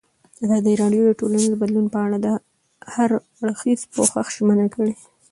ازادي راډیو د ټولنیز بدلون په اړه د هر اړخیز پوښښ ژمنه کړې.